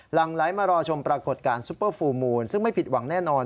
หลังไหลมารอชมปรากฏการณ์ซุปเปอร์ฟูลมูลซึ่งไม่ผิดหวังแน่นอน